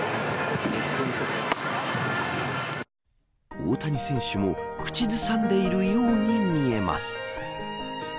大谷選手も口ずさんでいるように見えます。